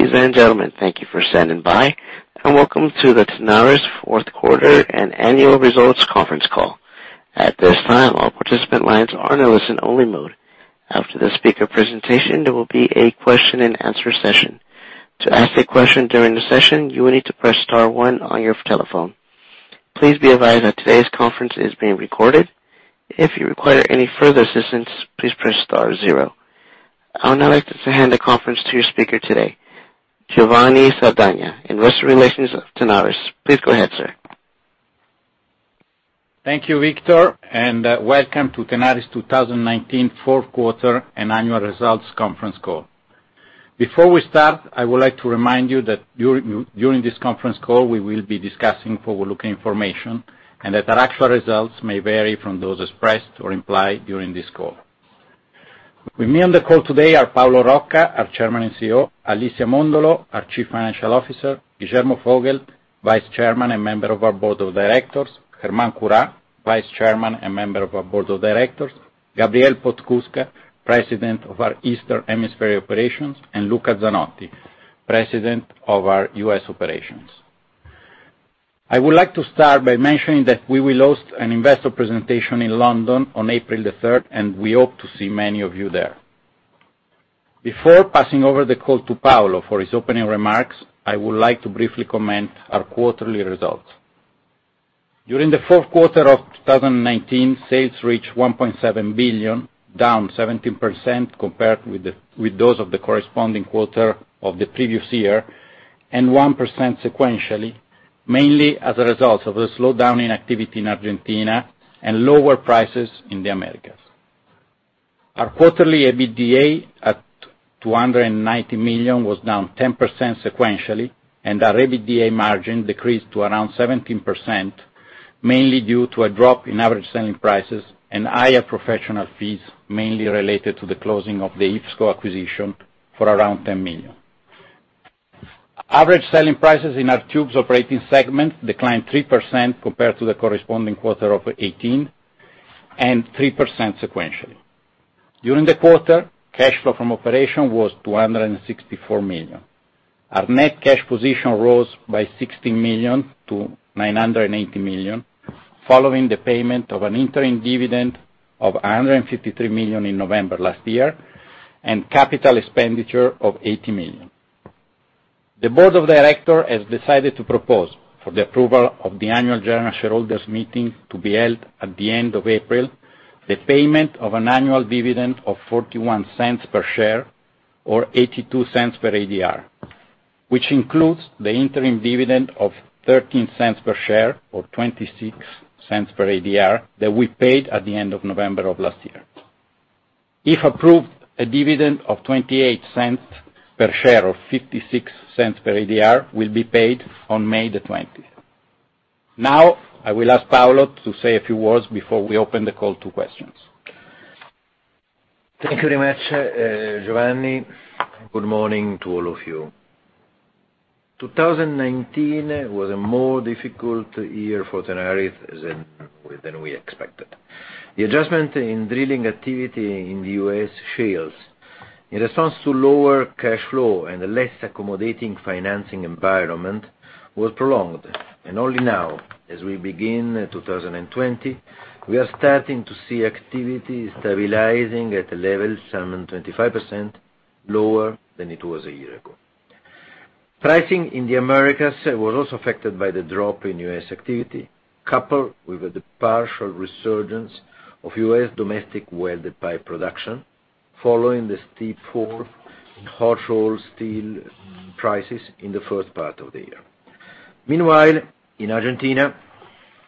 Ladies and gentlemen, thank you for standing by, and welcome to the Tenaris fourth quarter and Annual Results Conference Call. At this time, all participant lines are in listen only mode. After the speaker presentation, there will be a question and answer session. To ask a question during the session, you will need to press star one on your telephone. Please be advised that today's conference is being recorded. If you require any further assistance, please press star zero. I would now like to hand the conference to your speaker today, Giovanni Sardagna, Investor Relations of Tenaris. Please go ahead, sir. Thank you, Victor, and welcome to Tenaris 2019 fourth quarter and annual results conference call. Before we start, I would like to remind you that during this conference call, we will be discussing forward-looking information and that our actual results may vary from those expressed or implied during this call. With me on the call today are Paolo Rocca, our Chairman and CEO, Alicia Mondolo, our Chief Financial Officer, Guillermo Vogel, Vice Chairman and member of our Board of Directors, Germán Curá, Vice Chairman and member of our Board of Directors, Gabriel Podskubka, President of our Eastern Hemisphere Operations, and Luca Zanotti, President of our U.S. Operations. I would like to start by mentioning that we will host an investor presentation in London on April the 3rd, and we hope to see many of you there. Before passing over the call to Paolo for his opening remarks, I would like to briefly comment our quarterly results. During the fourth quarter of 2019, sales reached $1.7 billion, down 17% compared with those of the corresponding quarter of the previous year, and 1% sequentially, mainly as a result of a slowdown in activity in Argentina and lower prices in the Americas. Our quarterly EBITDA at $290 million was down 10% sequentially, and our EBITDA margin decreased to around 17%, mainly due to a drop in average selling prices and higher professional fees, mainly related to the closing of the IPSCO acquisition for around $10 million. Average selling prices in our tubes operating segment declined 3% compared to the corresponding quarter of 2018, and 3% sequentially. During the quarter, cash flow from operation was $264 million. Our net cash position rose by $16 million to $980 million, following the payment of an interim dividend of $153 million in November last year, and capital expenditure of $80 million. The Board of director has decided to propose for the approval of the annual general shareholders meeting to be held at the end of April, the payment of an annual dividend of $0.41 per share or $0.82 per ADR, which includes the interim dividend of $0.13 per share or $0.26 per ADR that we paid at the end of November of last year. If approved, a dividend of $0.28 per share or $0.56 per ADR will be paid on May the 20th. Now, I will ask Paolo to say a few words before we open the call to questions. Thank you very much, Giovanni. Good morning to all of you. 2019 was a more difficult year for Tenaris than we expected. The adjustment in drilling activity in the U.S. shales. In response to lower cash flow and a less accommodating financing environment was prolonged, and only now, as we begin 2020, we are starting to see activity stabilizing at a level 7.25% lower than it was a year ago. Pricing in the Americas was also affected by the drop in U.S. activity, coupled with the partial resurgence of U.S. domestic welded pipe production following the steep fall in hot rolled steel prices in the first part of the year. Meanwhile, in Argentina,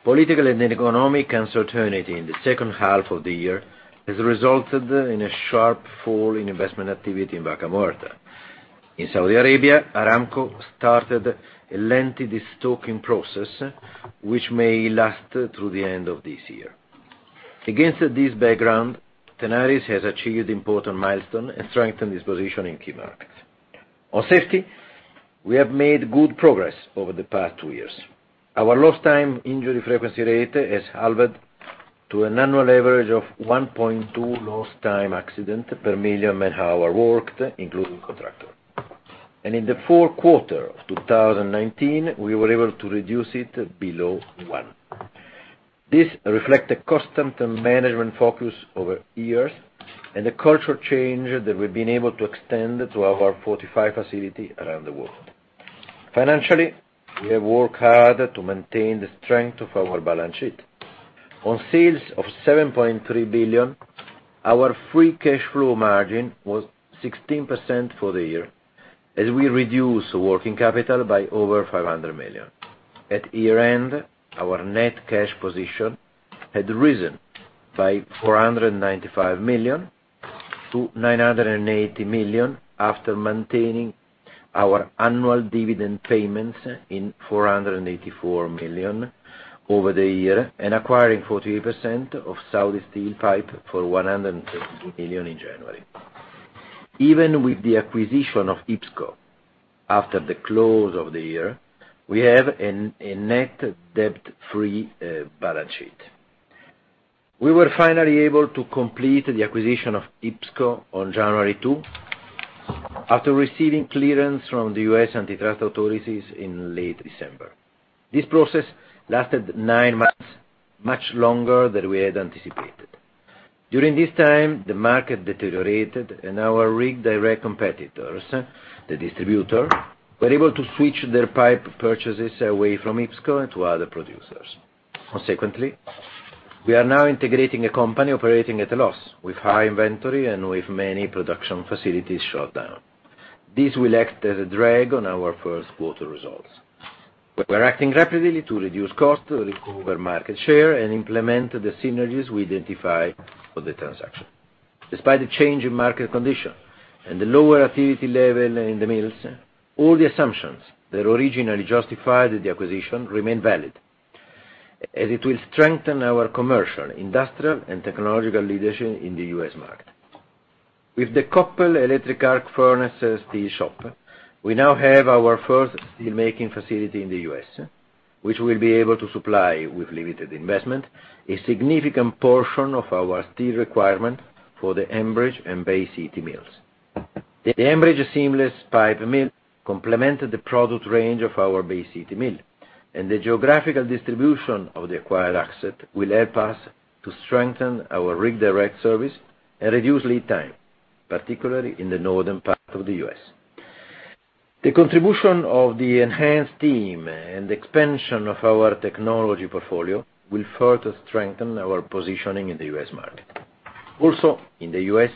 political and economic uncertainty in the H2 of the year has resulted in a sharp fall in investment activity in Vaca Muerta. In Saudi Arabia, Aramco started a lengthy destocking process, which may last through the end of this year. Against this background, Tenaris has achieved important milestone and strengthened its position in key markets. On safety, we have made good progress over the past two years. Our lost time injury frequency rate has halved to an annual average of 1.2 lost time accident per million man-hour worked, including contractor. In the fourth quarter of 2019, we were able to reduce it below one. This reflect the constant management focus over years and the culture change that we've been able to extend to our 45 facility around the world. Financially, we have worked hard to maintain the strength of our balance sheet. On sales of $7.3 billion, our free cash flow margin was 16% for the year, as we reduced working capital by over $500 million. At year-end, our net cash position had risen by $495 million to $980 million after maintaining our annual dividend payments in $484 million over the year and acquiring 48% of Saudi Steel Pipe for $150 million in January. Even with the acquisition of IPSCO, after the close of the year, we have a net debt-free balance sheet. We were finally able to complete the acquisition of IPSCO on January 2, after receiving clearance from the U.S. antitrust authorities in late December. This process lasted nine months, much longer than we had anticipated. During this time, the market deteriorated and our Rig Direct competitors, the distributor, were able to switch their pipe purchases away from IPSCO and to other producers. Consequently, we are now integrating a company operating at a loss, with high inventory and with many production facilities shut down. This will act as a drag on our first quarter results. We are acting rapidly to reduce cost, to recover market share, and implement the synergies we identified for the transaction. Despite the change in market condition and the lower activity level in the mills, all the assumptions that originally justified the acquisition remain valid, as it will strengthen our commercial, industrial, and technological leadership in the U.S. market. With the Koppel Electric Arc Furnaces steel shop, we now have our first steel making facility in the U.S., which we'll be able to supply, with limited investment, a significant portion of our steel requirement for the Ambridge and Bay City mills. The Ambridge seamless pipe mill complemented the product range of our Bay City mill, and the geographical distribution of the acquired asset will help us to strengthen our Rig Direct service and reduce lead time, particularly in the northern part of the U.S. The contribution of the enhanced team and expansion of our technology portfolio will further strengthen our positioning in the U.S. market. In the U.S.,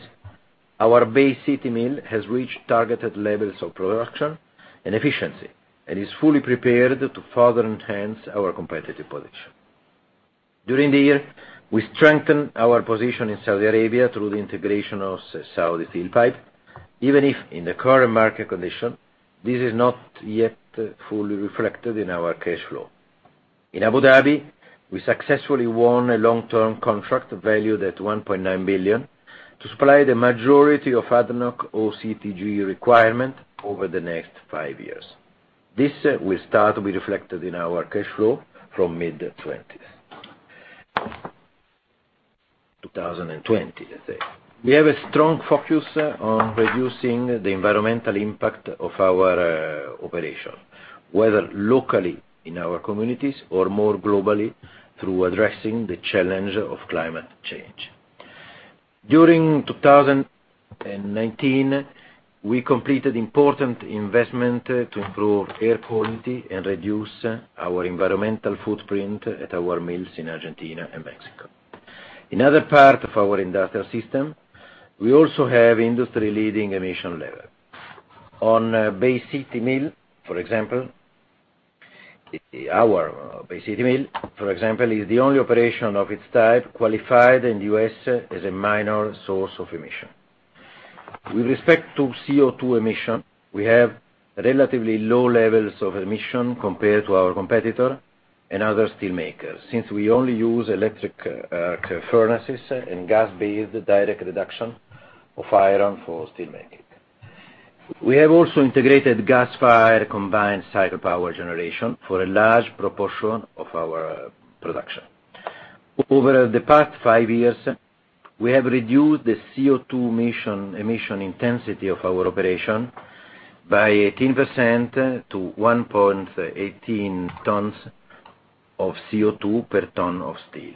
our Bay City mill has reached targeted levels of production and efficiency and is fully prepared to further enhance our competitive position. During the year, we strengthened our position in Saudi Arabia through the integration of Saudi Steel Pipe, even if in the current market condition, this is not yet fully reflected in our cash flow. In Abu Dhabi, we successfully won a long-term contract valued at $1.9 billion, to supply the majority of ADNOC OCTG requirement over the next five years. This will start to be reflected in our cash flow from mid-2020. We have a strong focus on reducing the environmental impact of our operation, whether locally in our communities or more globally through addressing the challenge of climate change. During 2019, we completed important investment to improve air quality and reduce our environmental footprint at our mills in Argentina and Mexico. In other parts of our industrial system, we also have industry-leading emission levels. Our Bay City mill, for example, is the only operation of its type qualified in the U.S. as a minor source of emission. With respect to CO2 emission, we have relatively low levels of emission compared to our competitor and other steel makers, since we only use Electric Arc Furnaces and gas-based direct reduction of iron for steelmaking. We have also integrated gas fire combined cycle power generation for a large proportion of our production. Over the past five years, we have reduced the CO2 emission intensity of our operation by 18% to 1.18 tons of CO2 per ton of steel.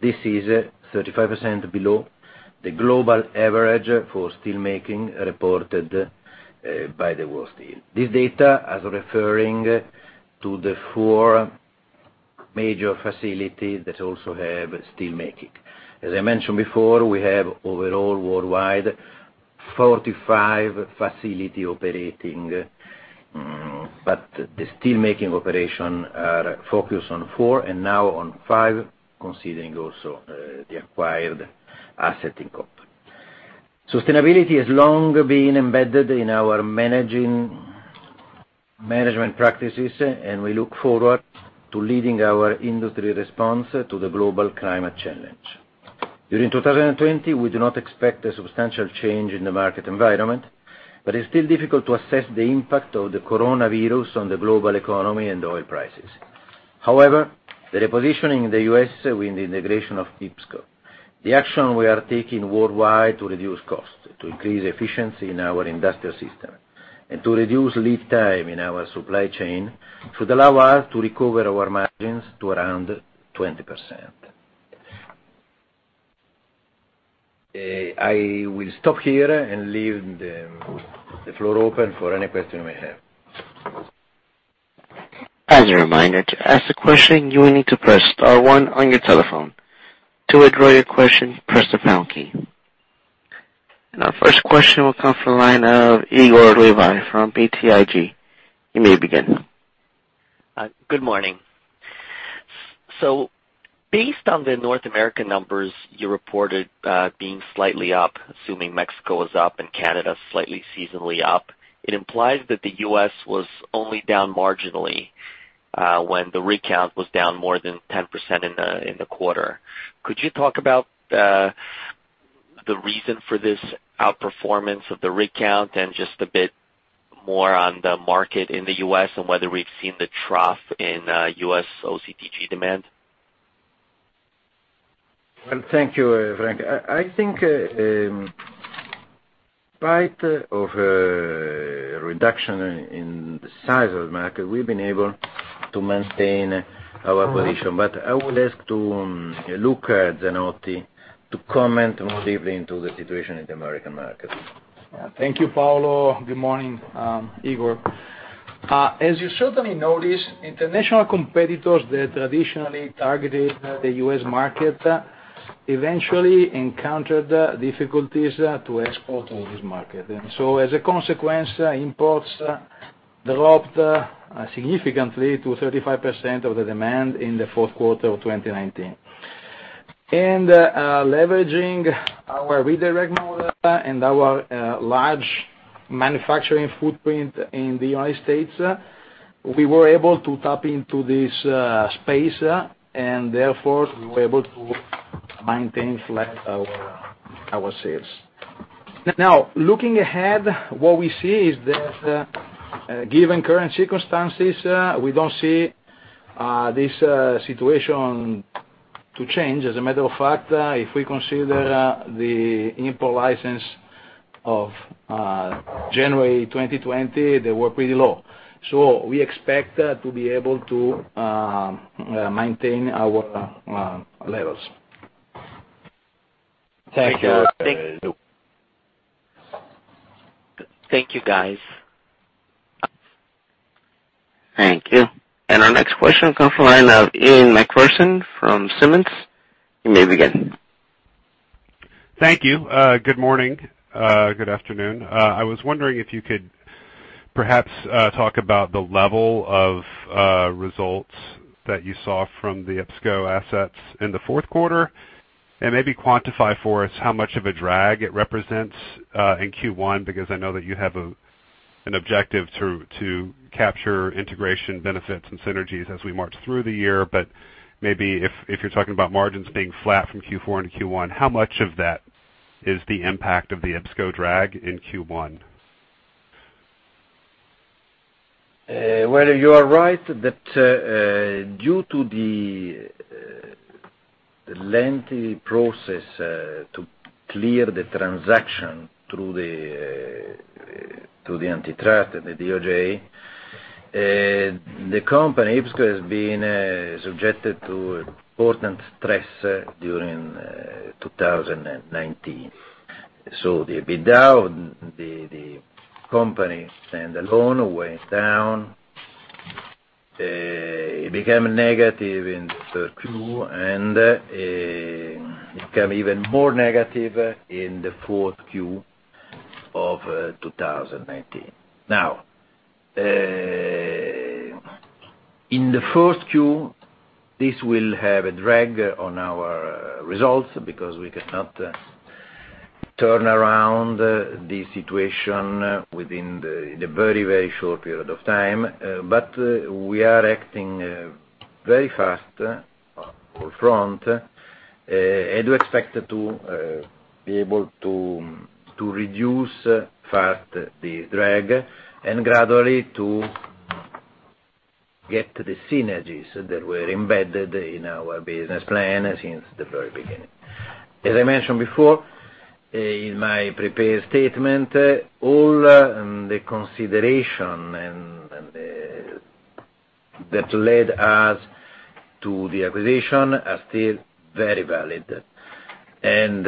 This is 35% below the global average for steel making reported by the World Steel. This data as referring to the four major facilities that also have steel making. As I mentioned before, we have overall worldwide 45 facility operating, but the steel making operation are focused on four, and now on five, considering also the acquired asset in Koppel. Sustainability has long been embedded in our management practices. We look forward to leading our industry response to the global climate challenge. During 2020, we do not expect a substantial change in the market environment. It's still difficult to assess the impact of the coronavirus on the global economy and oil prices. However, the repositioning in the U.S. with the integration of IPSCO, the action we are taking worldwide to reduce costs, to increase efficiency in our industrial system, and to reduce lead time in our supply chain, should allow us to recover our margins to around 20%. I will stop here and leave the floor open for any question you may have. As a reminder, to ask a question, you will need to press star one on your telephone. To withdraw your question, press the pound key. Our first question will come from the line of Igor Levi from BTIG. You may begin. Good morning. Based on the North American numbers you reported being slightly up, assuming Mexico is up and Canada slightly seasonally up, it implies that the U.S. was only down marginally when the rig count was down more than 10% in the quarter. Could you talk about the reason for this outperformance of the rig count and just a bit more on the market in the U.S. and whether we've seen the trough in U.S. OCTG demand? Well, thank you, Frank. I think in spite of a reduction in the size of the market, we've been able to maintain our position. I would ask Luca Zanotti to comment more deeply into the situation in the American market. Thank you, Paolo. Good morning, Igor. As you certainly noticed, international competitors that traditionally targeted the U.S. market eventually encountered difficulties to export to this market. As a consequence, imports dropped significantly to 35% of the demand in the fourth quarter of 2019. Leveraging our Rig Direct model and our large manufacturing footprint in the United States, we were able to tap into this space, and therefore, we were able to maintain flat our sales. Looking ahead, what we see is that given current circumstances, we don't see this situation to change. As a matter of fact, if we consider the import license of January 2020, they were pretty low. We expect to be able to maintain our levels. Thank you. Thank you, guys. Thank you. Our next question comes from the line of Ian MacPherson from Simmons. You may begin. Thank you. Good morning. Good afternoon. I was wondering if you could perhaps talk about the level of results that you saw from the IPSCO assets in the fourth quarter, and maybe quantify for us how much of a drag it represents in Q1, because I know that you have an objective to capture integration benefits and synergies as we march through the year, but maybe if you're talking about margins being flat from Q4 into Q1, how much of that is the impact of the IPSCO drag in Q1? Well, you are right that due to the lengthy process to clear the transaction through the antitrust and the DOJ, the company, IPSCO, has been subjected to important stress during 2019. The EBITDA, the company stand-alone went down. It became negative in the Q2, and it became even more negative in the fourth Q of 2019. In the first Q, this will have a drag on our results because we cannot turn around the situation within the very, very short period of time. We are acting very fast up front, and we expect to be able to reduce fast the drag and gradually to get the synergies that were embedded in our business plan since the very beginning. As I mentioned before in my prepared statement, all the consideration that led us to the acquisition are still very valid. In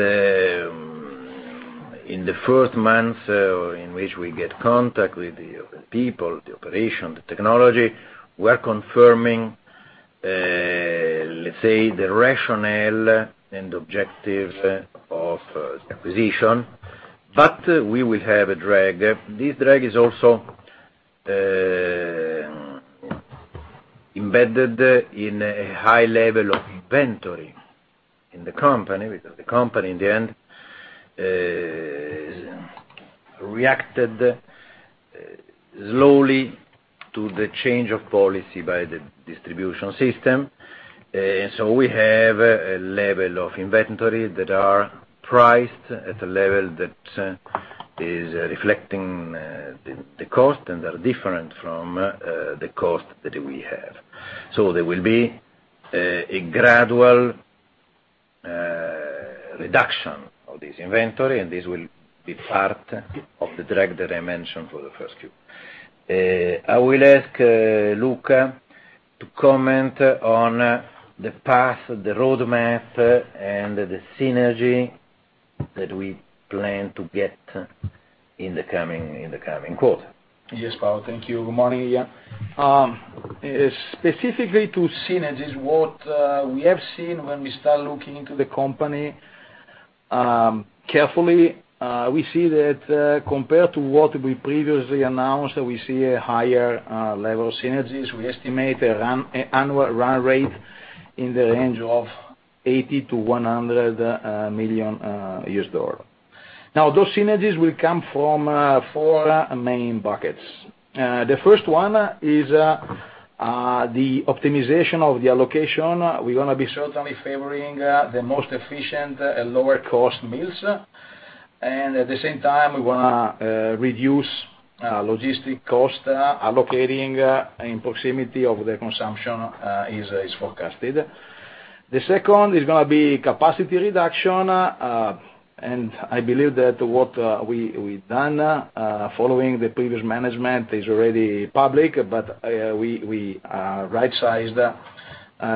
the first month in which we get contact with the people, the operation, the technology, we're confirming, let's say, the rationale and objectives of this acquisition, but we will have a drag. This drag is also embedded in a high level of inventory in the company because the company, in the end, reacted slowly to the change of policy by the distribution system. We have a level of inventory that are priced at a level that is reflecting the cost, and they're different from the cost that we have. There will be a gradual reduction of this inventory, and this will be part of the drag that I mentioned for the first Q. I will ask Luca to comment on the path, the roadmap, and the synergy that we plan to get in the coming quarter. Yes, Paolo. Thank you. Good morning, Ian. Specifically to synergies, what we have seen when we start looking into the company carefully, we see that compared to what we previously announced, we see a higher level of synergies. We estimate an annual run rate in the range of $80 million-$100 million. Now, those synergies will come from four main buckets. The first one is the optimization of the allocation. We're going to be certainly favoring the most efficient and lower-cost mills. At the same time, we want to reduce logistic cost, allocating in proximity of the consumption is forecasted. The second is going to be capacity reduction. I believe that what we've done, following the previous management, is already public, but we rightsized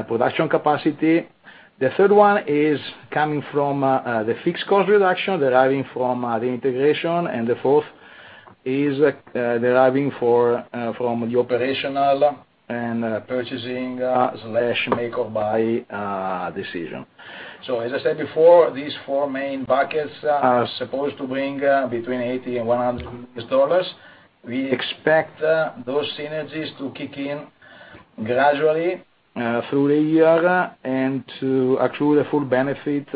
production capacity. The third one is coming from the fixed cost reduction deriving from the integration. The fourth is deriving from the operational and purchasing/make-or-buy decision. As I said before, these four main buckets are supposed to bring between $80 million and $100 million. We expect those synergies to kick in gradually through the year, and to accrue the full benefit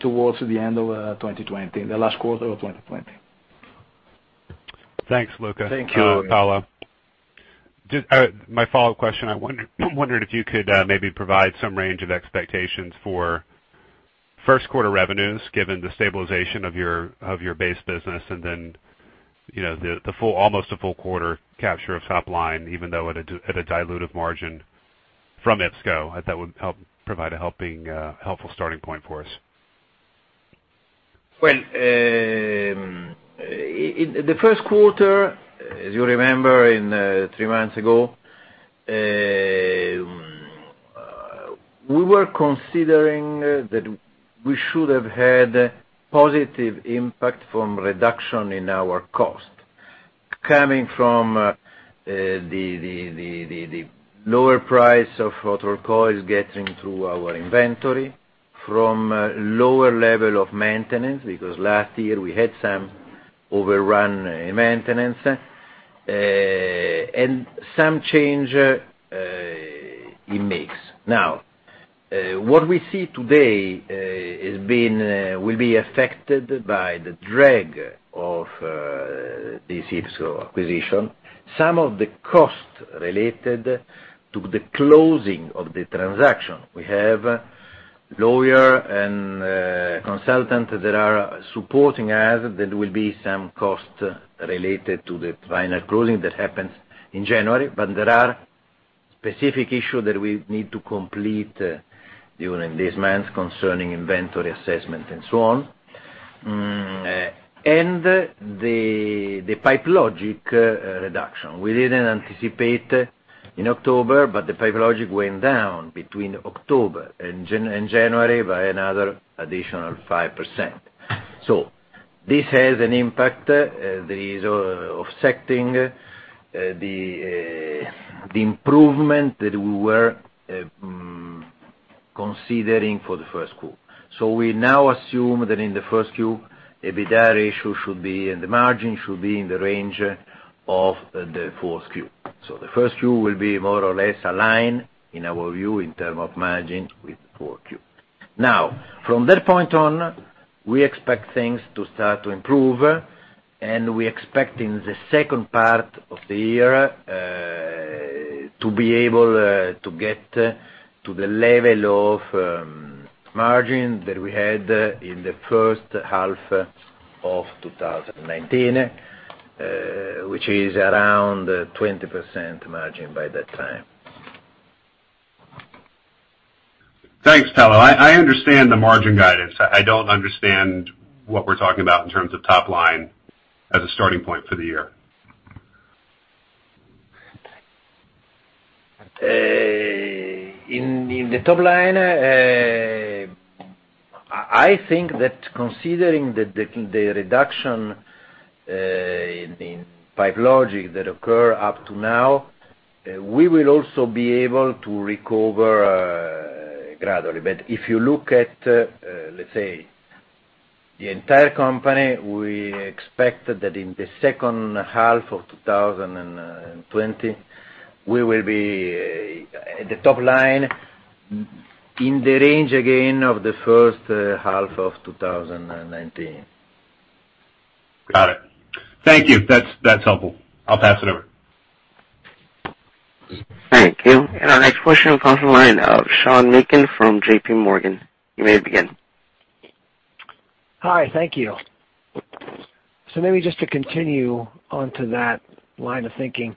towards the end of 2020, the last quarter of 2020. Thanks, Luca. Thank you. Paolo. My follow-up question, I wondered if you could maybe provide some range of expectations for first quarter revenues, given the stabilization of your base business, and then, the almost a full quarter capture of top line, even though at a dilutive margin from IPSCO. I thought would provide a helpful starting point for us. Well, the first quarter, as you remember three months ago, we were considering that we should have had positive impact from reduction in our cost. Coming from the lower price of hot rolled coils getting through our inventory. From lower level of maintenance, because last year we had some overrun maintenance. Some change in mix. Now, what we see today will be affected by the drag of this IPSCO acquisition. Some of the costs related to the closing of the transaction. We have lawyer and consultant that are supporting us. There will be some cost related to the final closing that happens in January. There are specific issue that we need to complete during this month concerning inventory assessment and so on. The Pipe Logix reduction. We didn't anticipate in October, the Pipe Logix went down between October and January by another additional 5%. This has an impact that is offsetting the improvement that we were considering for the first quarter. We now assume that in the first Q, EBITDA ratio should be, and the margin should be in the range of the fourth Q. The first Q will be more or less aligned in our view in term of margin with the fourth Q. From that point on, we expect things to start to improve, and we expect in the second part of the year, to be able to get to the level of margin that we had in the H1 of 2019, which is around 20% margin by that time. Thanks, Paolo. I understand the margin guidance. I don't understand what we're talking about in terms of top line as a starting point for the year. In the top line, I think that considering the reduction in Pipe Logix that occur up to now, we will also be able to recover gradually. If you look at, let's say, the entire company, we expect that in the H2 of 2020, the top line in the range again of the H1 of 2019. Got it. Thank you. That's helpful. I'll pass it over. Thank you. Our next question comes from the line of Sean Meakim from JPMorgan. You may begin. Hi. Thank you. Maybe just to continue onto that line of thinking.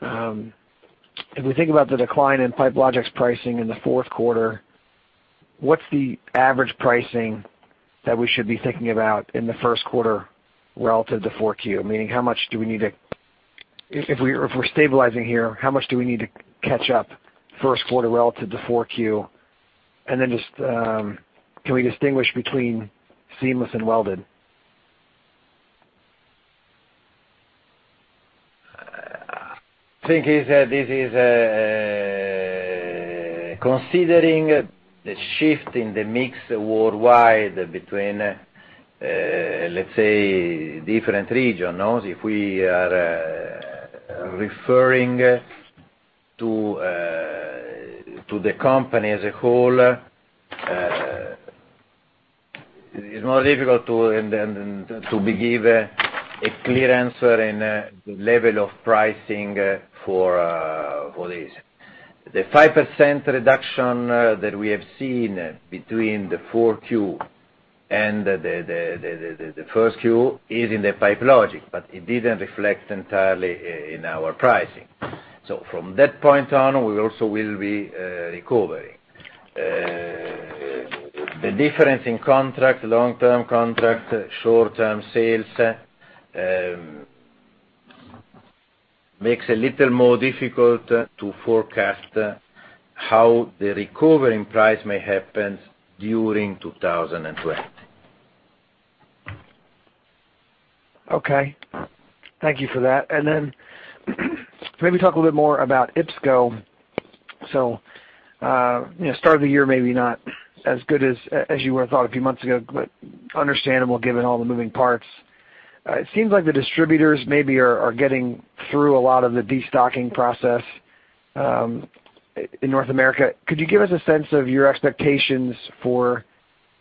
If we think about the decline in Pipe Logix's pricing in the fourth quarter, what's the average pricing that we should be thinking about in the first quarter relative to 4Q? Meaning, if we're stabilizing here, how much do we need to catch up first quarter relative to 4Q? Just, can we distinguish between seamless and welded? Thing is that this is considering the shift in the mix worldwide between, let's say, different regions. If we are referring to the company as a whole, it's more difficult to give a clear answer in the level of pricing for this. The 5% reduction that we have seen between the 4Q and the first Q is in the Pipe Logix, but it didn't reflect entirely in our pricing. From that point on, we also will be recovering. The difference in contract, long-term contract, short-term sales, makes it little more difficult to forecast how the recovery in price may happen during 2020. Okay. Thank you for that. Maybe talk a little bit more about IPSCO. Start of the year, maybe not as good as you would have thought a few months ago, but understandable given all the moving parts. It seems like the distributors maybe are getting through a lot of the de-stocking process in North America. Could you give us a sense of your expectations for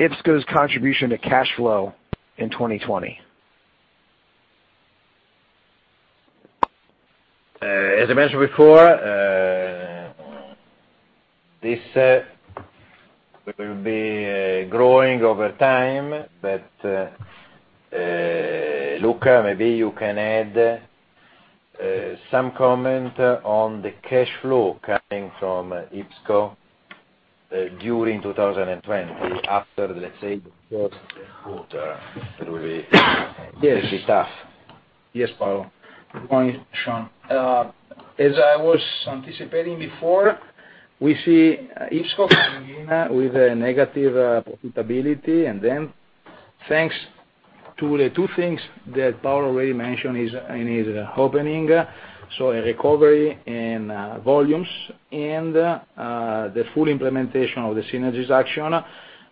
IPSCO's contribution to cash flow in 2020? As I mentioned before, this will be growing over time. Luca, maybe you can add some comment on the cash flow coming from IPSCO during 2020 after, let's say, the fourth quarter. Yes. A bit tough. Yes, Paolo. Morning, Sean. As I was anticipating before, we see IPSCO coming in with a negative profitability, and then thanks to the two things that Paolo already mentioned in his opening. A recovery in volumes and the full implementation of the synergies action.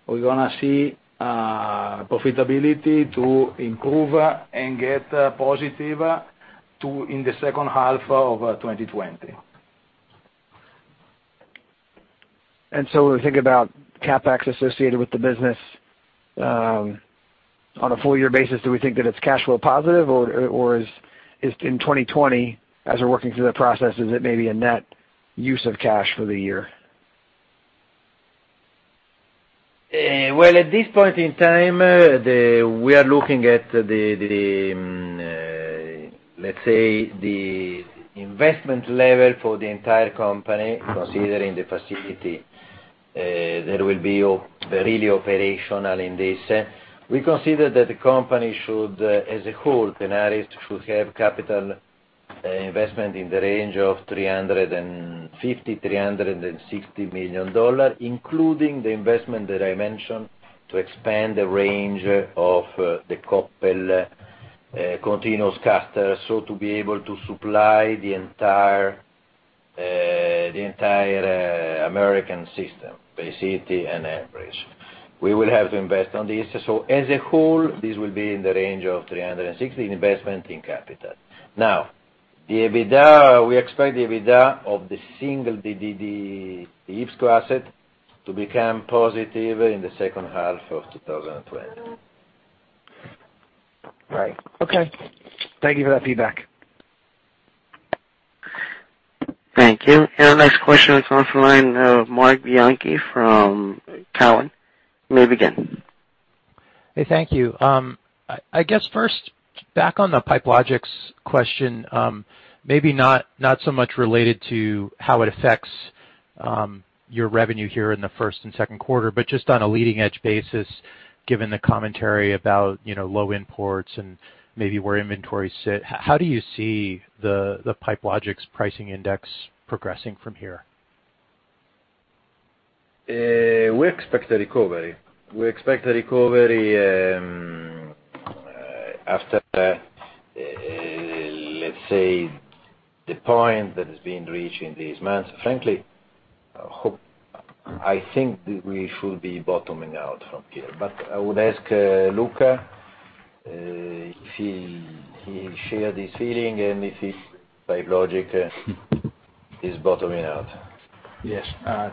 We're going to see profitability to improve and get positive in the H2 of 2020. When we think about CapEx associated with the business, on a full year basis, do we think that it's cash flow positive, or is in 2020, as we're working through the process, is it maybe a net use of cash for the year? Well, at this point in time, we are looking at the, let's say, the investment level for the entire company, considering the facility that will be really operational in this. We consider that the company should, as a whole, Tenaris should have capital investment in the range of $350-$360 million, including the investment that I mentioned to expand the range of the Koppel continuous caster. To be able to supply the entire American system, Bay City and Ambridge. We will have to invest on this. As a whole, this will be in the range of $360 investment in capital. Now, we expect the EBITDA of the single IPSCO asset to become positive in the H2 of 2020. Right. Okay. Thank you for that feedback. Thank you. Our next question comes from the line of Marc Bianchi from Cowen. You may begin. Hey, thank you. I guess first, back on the Pipe Logix question, maybe not so much related to how it affects your revenue here in the first and second quarter, but just on a leading edge basis, given the commentary about low imports and maybe where inventory sit. How do you see the Pipe Logix pricing index progressing from here? We expect a recovery. We expect a recovery after, let's say, the point that is being reached in these months. Frankly, I think we should be bottoming out from here, but I would ask Luca if he share this feeling and if Pipe Logix is bottoming out. Yes.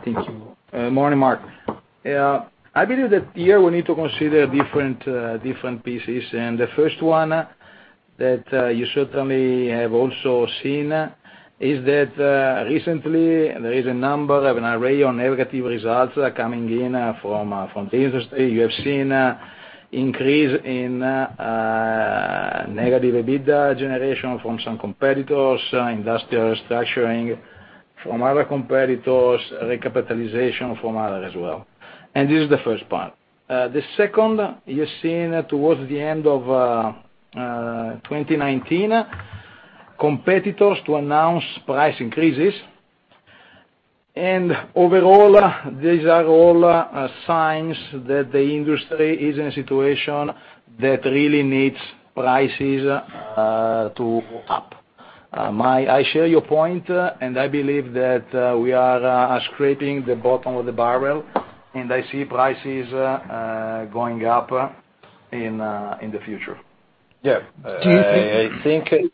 Thank you. Morning, Marc. I believe that here we need to consider different pieces. The first one that you certainly have also seen is that recently, there is a number of an array of negative results coming in from the industry. You have seen increase in negative EBITDA generation from some competitors, industrial structuring from other competitors, recapitalization from others as well. This is the first part. The second, you're seeing towards the end of 2019, competitors to announce price increases. Overall, these are all signs that the industry is in a situation that really needs prices to go up. I share your point, and I believe that we are scraping the bottom of the barrel, and I see prices going up in the future. Yeah. Do you think-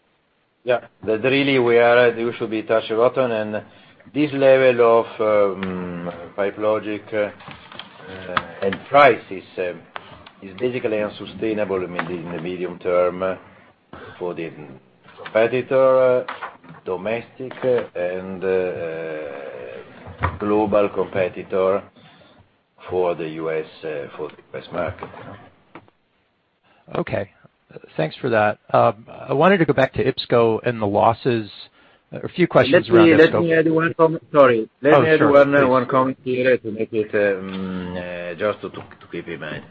Yeah. That really we should be touch a button. This level of Pipe Logix, and price is basically unsustainable in the medium term for the competitor, domestic and global competitor for the U.S. market. Okay. Thanks for that. I wanted to go back to IPSCO and the losses. A few questions around IPSCO. Sorry. Oh, sure. Please. Let me add one comment here to make it, just to keep in mind.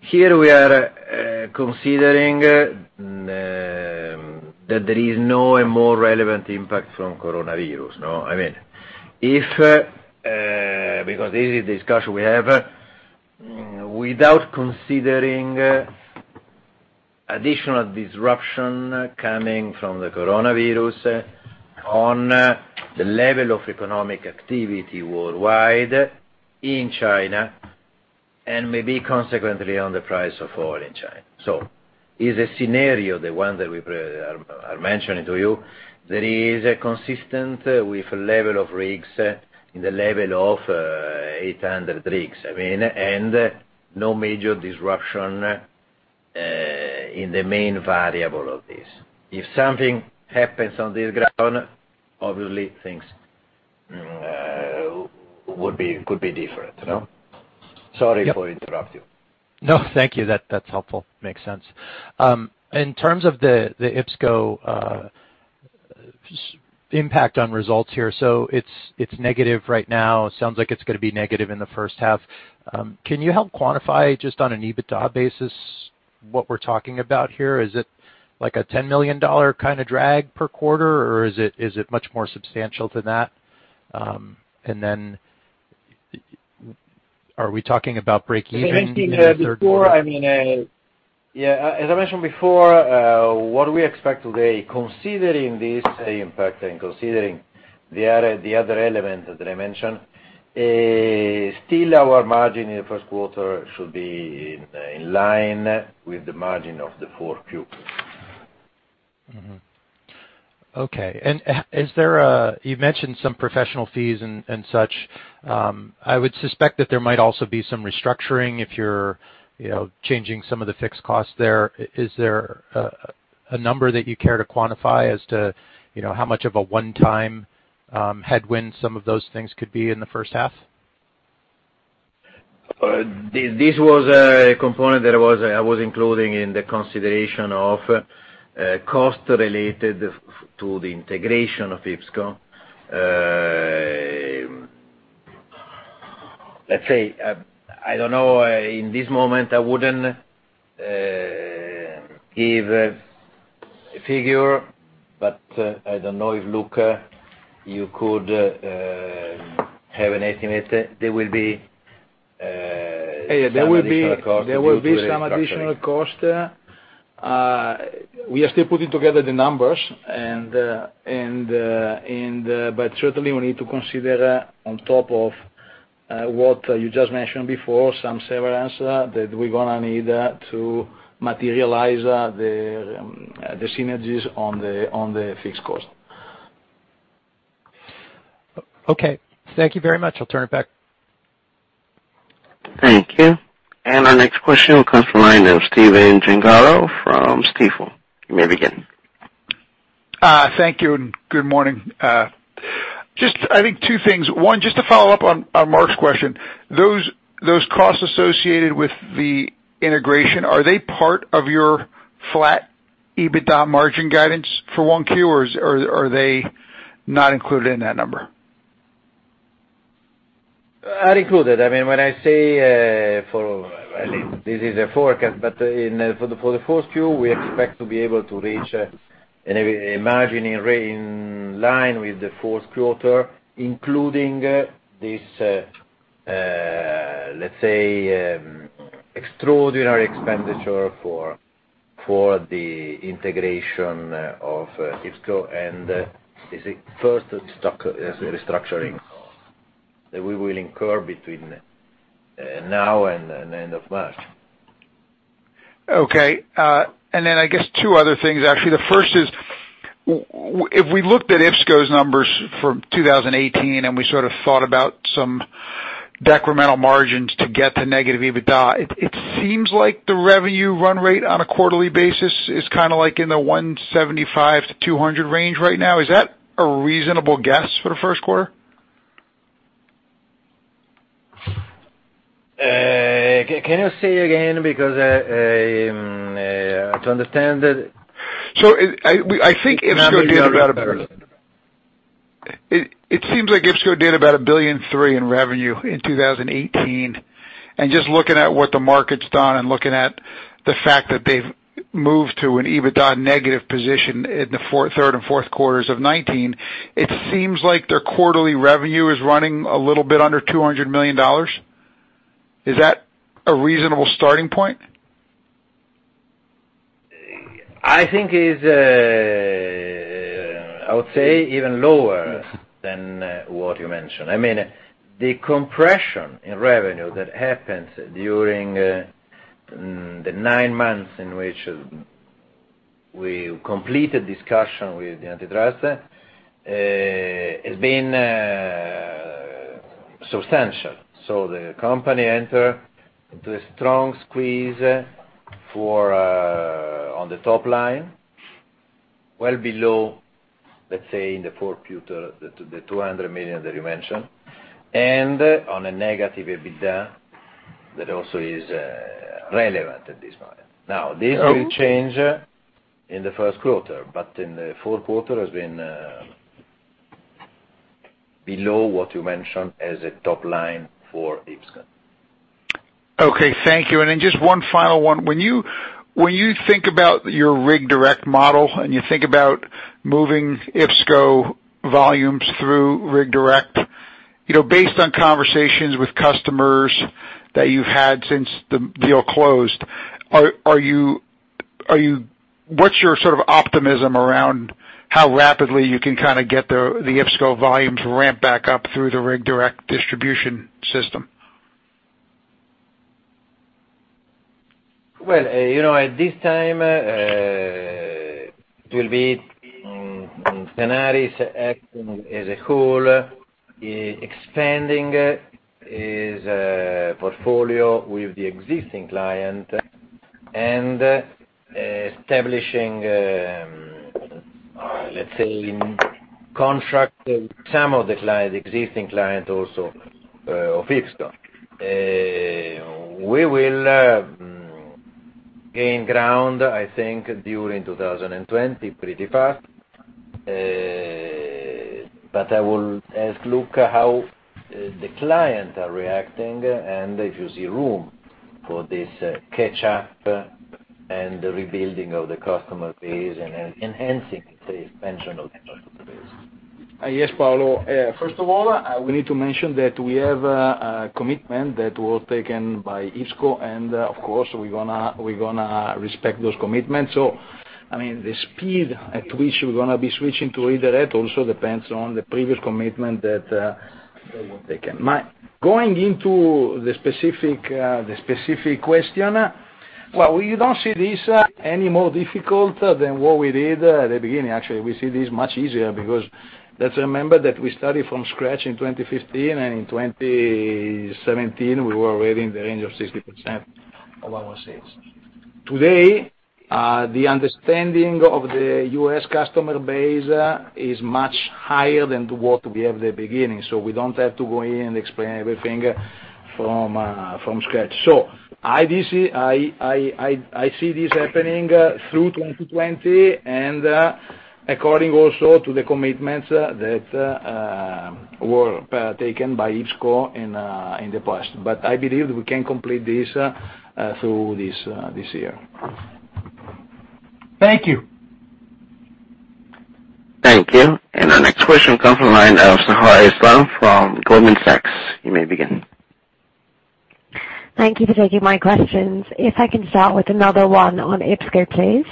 Here we are considering, that there is no more relevant impact from coronavirus. This is a discussion we have, without considering additional disruption coming from the coronavirus on the level of economic activity worldwide in China, and maybe consequently on the price of oil in China. Is a scenario, the one that we are mentioning to you, that is consistent with level of rigs in the level of 800 rigs. No major disruption in the main variable of this. If something happens on this ground, obviously things could be different. Sorry to interrupt you. No, thank you. That's helpful. Makes sense. In terms of the IPSCO impact on results here. It's negative right now. It sounds like it's going to be negative in the first half. Can you help quantify, just on an EBITDA basis, what we're talking about here? Is it like a $10 million kind of drag per quarter, or is it much more substantial than that? Are we talking about breakeven in the third quarter? As I mentioned before, what we expect today, considering this impact and considering the other element that I mentioned, still our margin in the first quarter should be in line with the margin of the 4Q. Okay. You mentioned some professional fees and such. I would suspect that there might also be some restructuring if you're changing some of the fixed costs there. Is there a number that you care to quantify as to how much of a one-time headwind some of those things could be in the first half? This was a component that I was including in the consideration of cost related to the integration of IPSCO. Let's say, I don't know, in this moment, I wouldn't give a figure, but I don't know if Luca, you could have an estimate. There will be some additional cost. We are still putting together the numbers. Certainly, we need to consider on top of what you just mentioned before, some severance that we're going to need to materialize the synergies on the fixed cost. Okay. Thank you very much. I'll turn it back. Thank you. Our next question comes from the line of Stephen Gengaro from Stifel. You may begin. Thank you, and good morning. Just I think two things. One, just to follow up on Marc's question, those costs associated with the integration, are they part of your flat EBITDA margin guidance for 1Q, or are they not included in that number? Included. When I say, this is a forecast, for the first Q, we expect to be able to reach a margin in line with the fourth quarter, including this, let's say, extraordinary expenditure for the integration of IPSCO and first restructuring that we will incur between now and end of March. Okay. I guess two other things, actually. The first is, if we looked at IPSCO's numbers for 2018, we sort of thought about some decremental margins to get to negative EBITDA, it seems like the revenue run rate on a quarterly basis is kind of like in the $175-$200 range right now. Is that a reasonable guess for the first quarter? Can you say again? To understand that- I think IPSCO did about a. No, you got it better. It seems like IPSCO did about $1.3 billion in revenue in 2018. Just looking at what the market's done and looking at the fact that they've moved to an EBITDA negative position in the third and fourth quarters of 2019, it seems like their quarterly revenue is running a little bit under $200 million. Is that a reasonable starting point? I think it's even lower than what you mentioned. The compression in revenue that happened during the nine months in which we completed discussion with the antitrust, has been substantial. The company enter into a strong squeeze on the top line, well below, let's say in the fourth quarter, the $200 million that you mentioned, and on a negative EBITDA, that also is relevant at this point. Now, this will change in the first quarter, but in the fourth quarter has been below what you mentioned as a top line for IPSCO. Okay. Thank you. Just one final one. When you think about your Rig Direct model, and you think about moving IPSCO volumes through Rig Direct, based on conversations with customers that you've had since the deal closed, what's your sort of optimism around how rapidly you can kind of get the IPSCO volumes ramped back up through the Rig Direct distribution system? Well, at this time, it will be Tenaris acting as a whole, expanding its portfolio with the existing client and establishing, let's say, in contract with some of the existing client also of IPSCO. We will gain ground, I think, during 2020, pretty fast. I will ask Luca how the clients are reacting and if you see room for this catch up and the rebuilding of the customer base and enhancing the expansion of the customer base. Yes, Paolo. First of all, we need to mention that we have a commitment that was taken by IPSCO, and of course, we're going to respect those commitments. The speed at which we're going to be switching to Rig Direct also depends on the previous commitment that they won't take. Going into the specific question, well, we don't see this any more difficult than what we did at the beginning. Actually, we see this much easier because let's remember that we started from scratch in 2015, and in 2017, we were already in the range of 60% of our sales. Today, the understanding of the U.S. customer base is much higher than what we have at the beginning. We don't have to go in and explain everything from scratch. I see this happening through 2020 and according also to the commitments that were taken by IPSCO in the past. I believe we can complete this through this year. Thank you. Thank you. Our next question comes from the line of Sahar Islam from Goldman Sachs. You may begin. Thank you for taking my questions. If I can start with another one on IPSCO, please.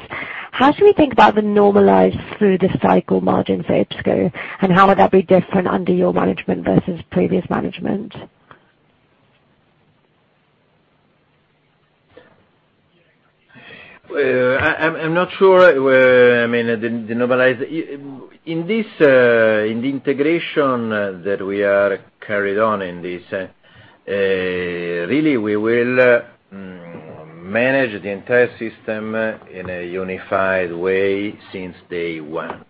How should we think about the normalized through the cycle margin for IPSCO, and how would that be different under your management versus previous management? I'm not sure. In the integration that we are carried on in this, really we will manage the entire system in a unified way since day one.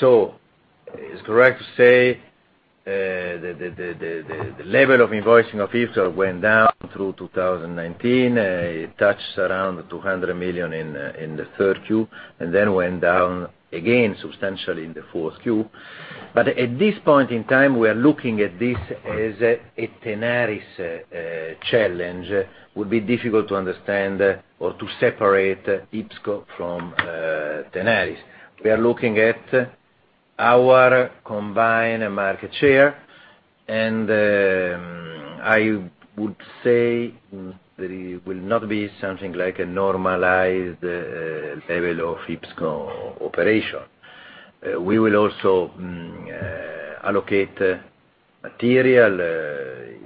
It's correct to say the level of invoicing of IPSCO went down through 2019, it touched around $200 million in the third Q, and then went down again substantially in the fourth Q. At this point in time, we are looking at this as a Tenaris challenge. Would be difficult to understand or to separate IPSCO from Tenaris. We are looking at our combined market share, I would say that it will not be something like a normalized level of IPSCO operation. We will also allocate material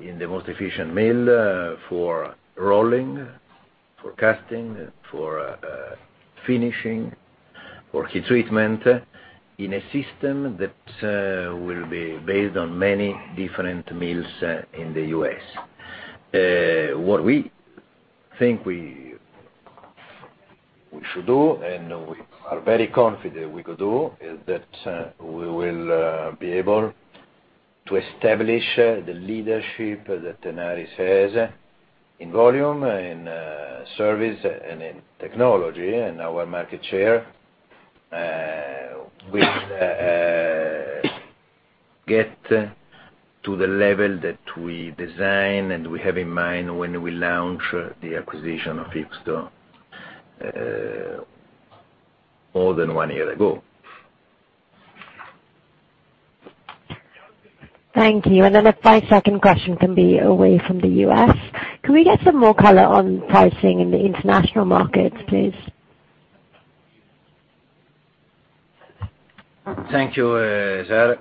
in the most efficient mill for rolling, for casting, for finishing, for heat treatment, in a system that will be based on many different mills in the U.S. What we think we should do, and we are very confident we could do, is that we will be able to establish the leadership that Tenaris has in volume, in service, and in technology, and our market share will get to the level that we designed and we have in mind when we launched the acquisition of IPSCO more than one year ago. Thank you. My second question can be away from the U.S. Can we get some more color on pricing in the international markets, please? Thank you, Sahar.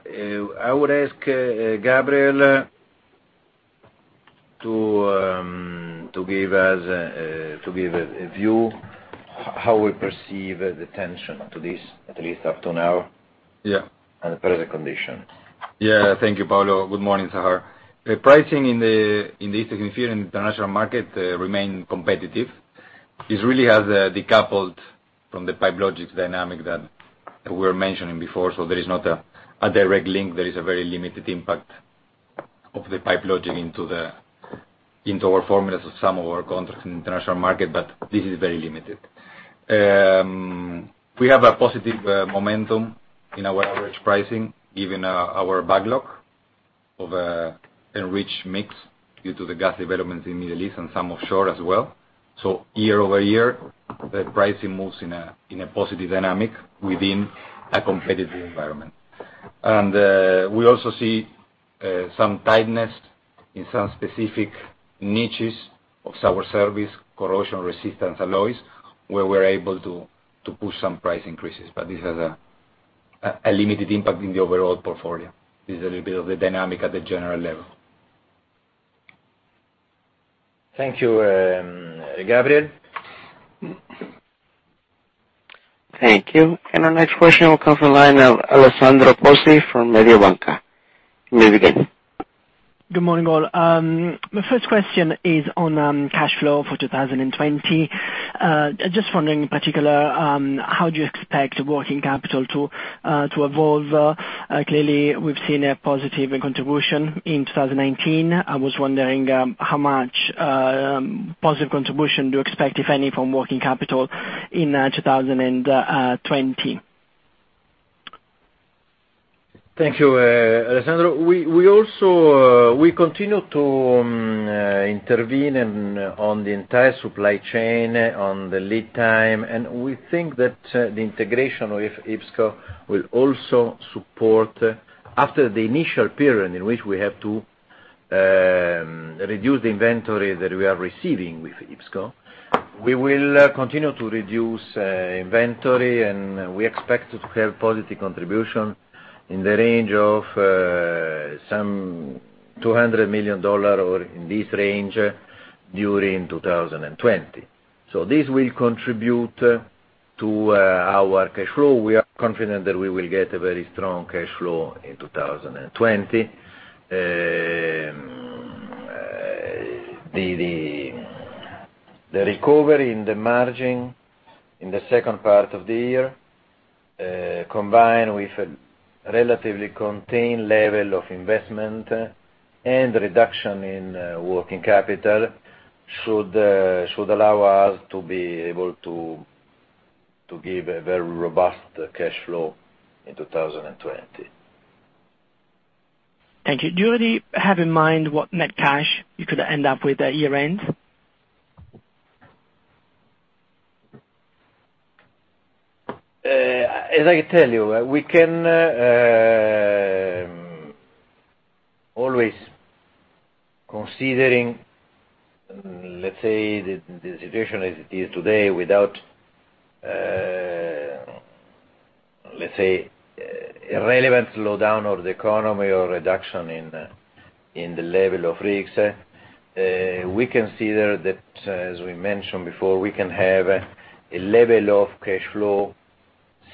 I would ask Gabriel to give a view how we perceive the tension to this, at least up to now. Yeah. The present condition. Yeah. Thank you, Paolo. Good morning, Sahar. Pricing in the steel field, in the international market, remain competitive. This really has decoupled from the Pipe Logix dynamic that we were mentioning before. There is not a direct link. There is a very limited impact of the Pipe Logix into our formulas of some of our contracts in the international market, but this is very limited. We have a positive momentum in our average pricing, given our backlog of enriched mix due to the gas developments in Middle East and some offshore as well. So year-over-year, the pricing moves in a positive dynamic within a competitive environment. We also see some tightness in some specific niches of our service, corrosion resistant alloys, where we're able to push some price increases. This has a limited impact in the overall portfolio. This is a little bit of the dynamic at the general level. Thank you, Gabriel. Thank you. Our next question will come from line of Alessandro Pozzi from Mediobanca. You may begin. Good morning, all. My first question is on cash flow for 2020. Just wondering in particular, how do you expect working capital to evolve? Clearly, we've seen a positive contribution in 2019. I was wondering how much positive contribution do you expect, if any, from working capital in 2020. Thank you, Alessandro. We continue to intervene on the entire supply chain, on the lead time, and we think that the integration with IPSCO will also support, after the initial period in which we have to reduce the inventory that we are receiving with IPSCO. We will continue to reduce inventory, and we expect to have positive contribution in the range of some $200 million or in this range during 2020. This will contribute to our cash flow. We are confident that we will get a very strong cash flow in 2020. The recovery in the margin in the second part of the year, combined with a relatively contained level of investment and reduction in working capital, should allow us to be able to give a very robust cash flow in 2020. Thank you. Do you already have in mind what net cash you could end up with at year-end? As I tell you, we can always, considering, let's say, the situation as it is today without, let's say, irrelevant slowdown of the economy or reduction in the level of risks. We consider that, as we mentioned before, we can have a level of cash flow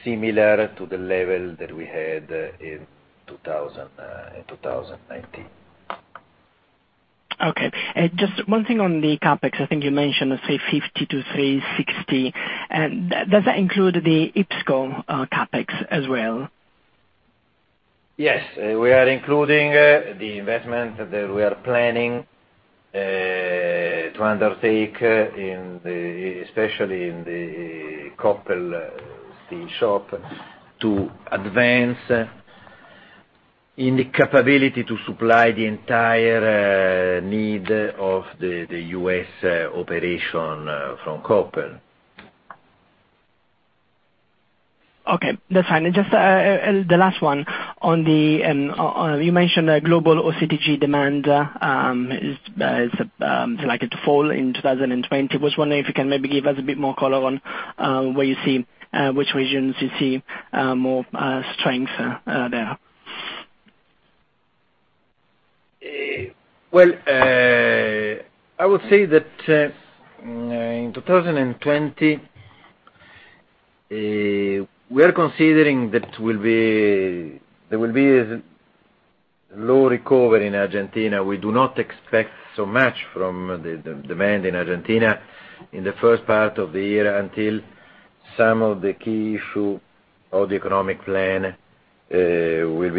similar to the level that we had in 2019. Okay. Just one thing on the CapEx. I think you mentioned, say, $350-$360. Does that include the IPSCO CapEx as well? Yes. We are including the investment that we are planning to undertake, especially in the Koppel steel shop, to advance in the capability to supply the entire need of the U.S. operation from Koppel. Okay, that's fine. Just the last one. You mentioned global OCTG demand is likely to fall in 2020. I was wondering if you can maybe give us a bit more color on which regions you see more strength there. I would say that in 2020, we are considering there will be a low recovery in Argentina. We do not expect so much from the demand in Argentina in the first part of the year until some of the key issue of the economic plan will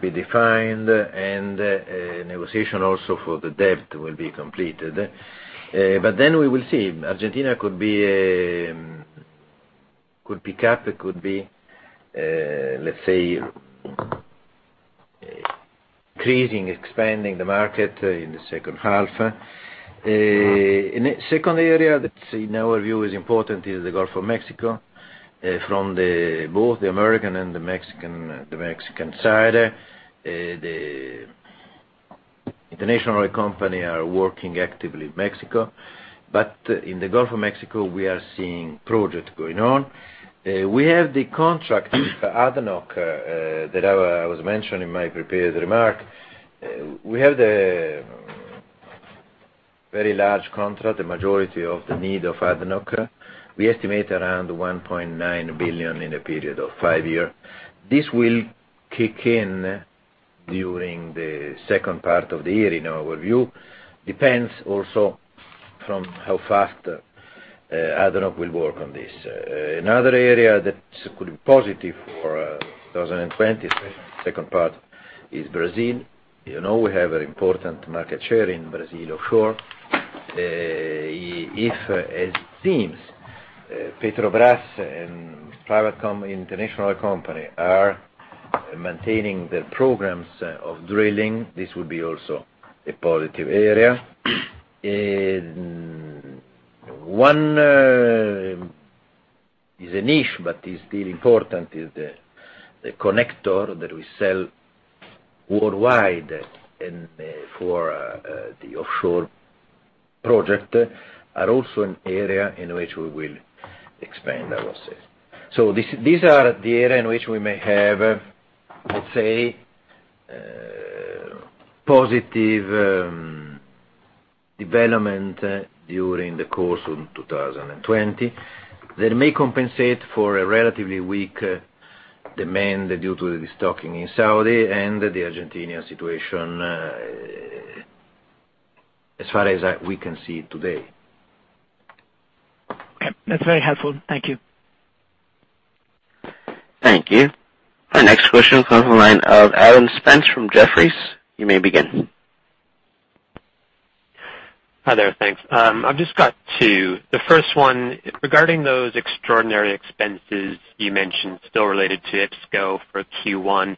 be defined and negotiation also for the debt will be completed. Then we will see. Argentina could pick up. It could be, let's say increasing, expanding the market in the second half. Second area that in our view is important is the Gulf of Mexico, from both the American and the Mexican side. The international company are working actively in Mexico. In the Gulf of Mexico, we are seeing projects going on. We have the contract with ADNOC, that I was mentioning in my prepared remark. We have the very large contract, the majority of the need of ADNOC. We estimate around $1.9 billion in a period of five year. This will kick in during the second part of the year, in our view. Depends also on how fast ADNOC will work on this. Another area that could be positive for 2020, second part, is Brazil. We have an important market share in Brazil offshore. If, as it seems, Petrobras and private international company are maintaining their programs of drilling, this will be also a positive area. One is a niche, but is still important, is the connector that we sell worldwide and for the offshore project, are also an area in which we will expand, I will say. These are the area in which we may have, let's say, positive development during the course of 2020, that may compensate for a relatively weak demand due to the restocking in Saudi and the Argentinian situation, as far as we can see today. Okay. That's very helpful. Thank you. Thank you. Our next question comes from the line of Alan Spence from Jefferies. You may begin. Hi there. Thanks. I've just got two. The first one, regarding those extraordinary expenses you mentioned still related to IPSCO for Q1,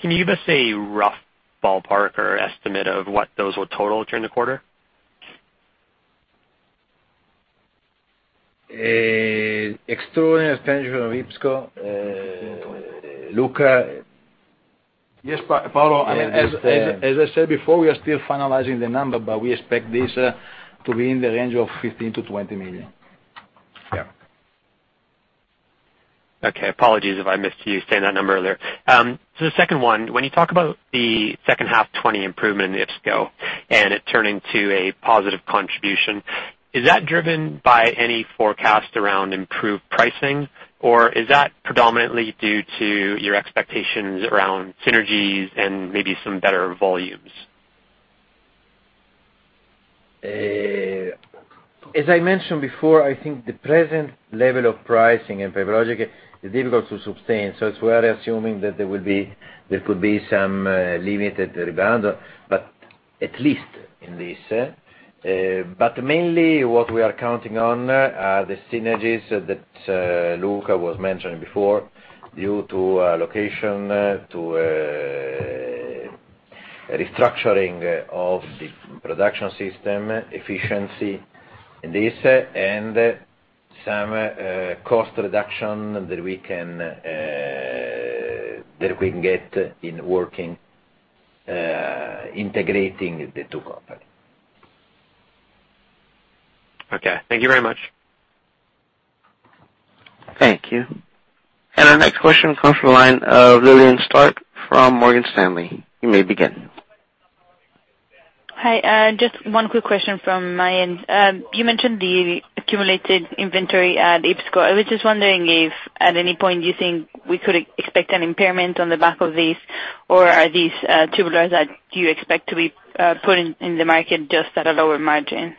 can you give us a rough ballpark or estimate of what those will total during the quarter? Extraordinary expenses from IPSCO, Luca? Yes, Paolo. As I said before, we are still finalizing the number, but we expect this to be in the range of $15 million-$20 million. Yeah. Okay, apologies if I missed you saying that number earlier. The second one, when you talk about the second half 2020 improvement in IPSCO, and it turning to a positive contribution, is that driven by any forecast around improved pricing? Or is that predominantly due to your expectations around synergies and maybe some better volumes? As I mentioned before, I think the present level of pricing in Pipe Logix is difficult to sustain. It's worth assuming that there could be some limited rebound. Mainly, what we are counting on are the synergies that Luca was mentioning before, due to allocation, to restructuring of the production system, efficiency in this, and some cost reduction that we can get in working, integrating the two companies. Okay. Thank you very much. Thank you. Our next question comes from the line of Lillian Starke from Morgan Stanley. You may begin. Hi. Just one quick question from my end. You mentioned the accumulated inventory at IPSCO. I was just wondering if at any point you think we could expect an impairment on the back of this, or are these tubulars that you expect to be put in the market just at a lower margin?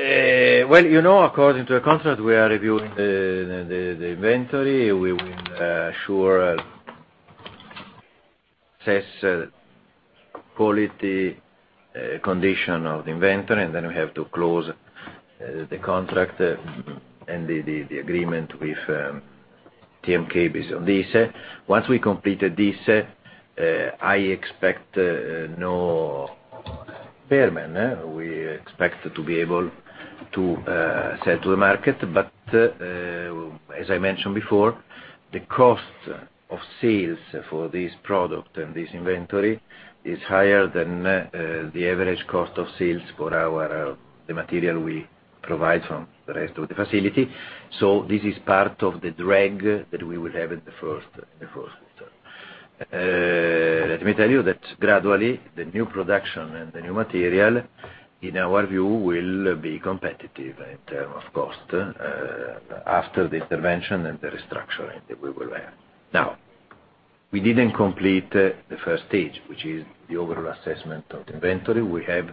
Well, according to the contract, we are reviewing the inventory. We will ensure, assess quality, condition of the inventory, then we have to close the contract and the agreement with TMK based on this. Once we completed this, I expect no impairment. We expect to be able to sell to the market. As I mentioned before, the cost of sales for this product and this inventory is higher than the average cost of sales for the material we provide from the rest of the facility. This is part of the drag that we will have in the first quarter. Let me tell you that gradually, the new production and the new material, in our view, will be competitive in terms of cost, after the intervention and the restructuring that we will have. We didn't complete the first stage, which is the overall assessment of the inventory. We have,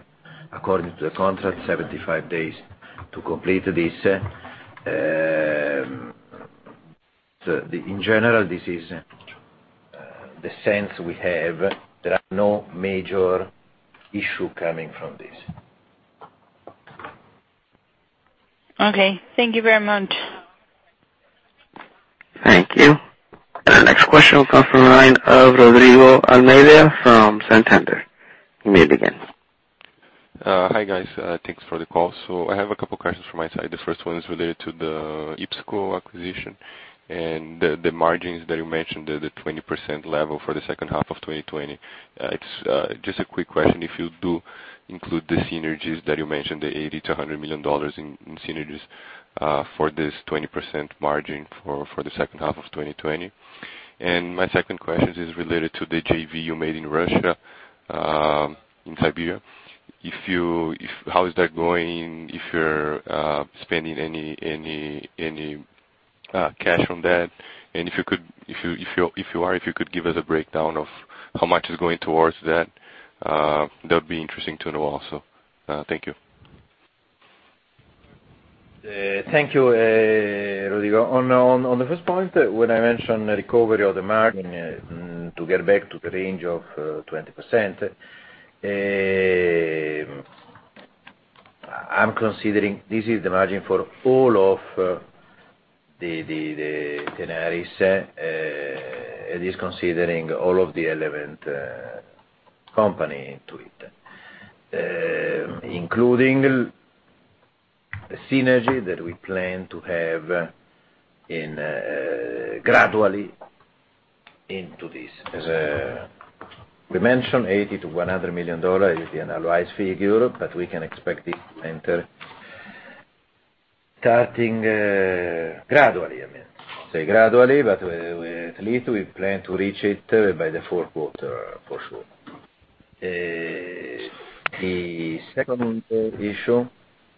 according to the contract, 75 days to complete this. In general, this is the sense we have. There are no major issue coming from this. Okay. Thank you very much. Thank you. Our next question will come from the line of Rodrigo Villanueva from Santander. You may begin. Hi, guys. Thanks for the call. I have a couple questions from my side. The first one is related to the IPSCO acquisition and the margins that you mentioned, the 20% level for the H2 of 2020. Just a quick question, if you do include the synergies that you mentioned, the $80 million-$100 million in synergies for this 20% margin for the H2 of 2020. My second question is related to the JV you made in Russia, in Siberia. How is that going? If you're spending any cash on that, and if you are, if you could give us a breakdown of how much is going towards that would be interesting to know also. Thank you. Thank you, Rodrigo. On the first point, when I mentioned the recovery of the margin to get back to the range of 20%, I'm considering this is the margin for all of the Tenaris, it is considering all of the element company into it, including the synergy that we plan to have gradually into this. As we mentioned, $80 million-$100 million is the analyzed figure, but we can expect it to enter starting gradually. I say gradually, but at least we plan to reach it by the fourth quarter, for sure. The second issue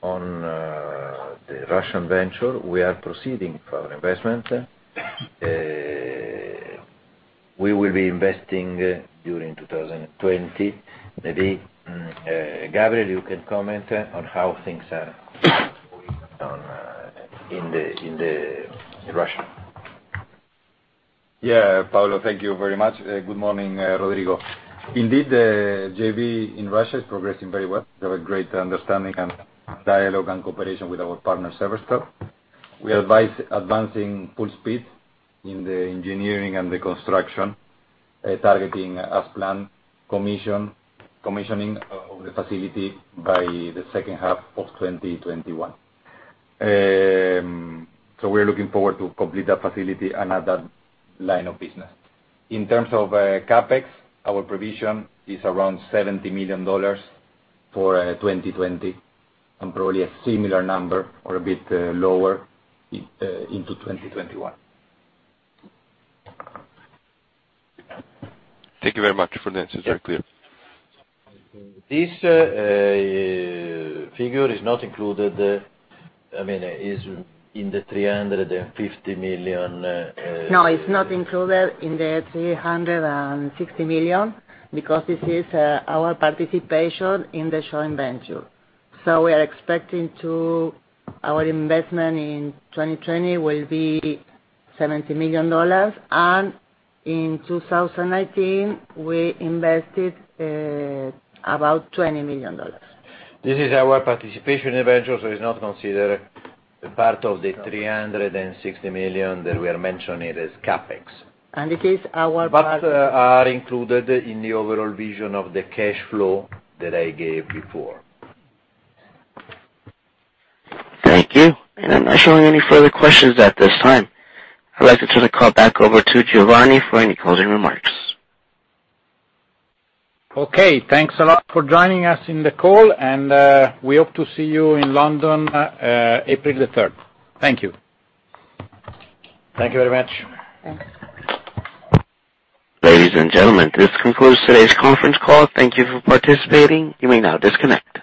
on the Russian venture, we are proceeding for an investment. We will be investing during 2020. Maybe, Gabriel, you can comment on how things are going in Russia. Paolo, thank you very much. Good morning, Rodrigo. Indeed, the JV in Russia is progressing very well. There was great understanding and dialogue and cooperation with our partner, Severstal. We advise advancing full speed in the engineering and the construction, targeting as planned, commissioning of the facility by the second half of 2021. We're looking forward to complete that facility and have that line of business. In terms of CapEx, our provision is around $70 million for 2020, and probably a similar number or a bit lower into 2021. Thank you very much for the answers. They're clear. This figure is not included, is in the $350 million. No, it's not included in the $360 million because this is our participation in the joint venture. We are expecting our investment in 2020 will be $70 million, and in 2019, we invested about $20 million. This is our participation in the venture, so it is not considered part of the $360 million that we are mentioning as CapEx. And it is our- Are included in the overall vision of the cash flow that I gave before. Thank you. I'm not showing any further questions at this time. I'd like to turn the call back over to Giovanni for any closing remarks. Okay. Thanks a lot for joining us on the call. We hope to see you in London, April the 3rd. Thank you. Thank you very much. Thanks. Ladies and gentlemen, this concludes today's conference call. Thank you for participating. You may now disconnect.